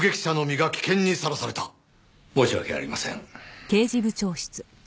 申し訳ありません。